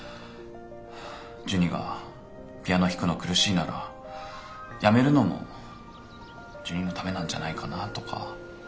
ジュニがピアノ弾くの苦しいならやめるのもジュニのためなんじゃないかなとか。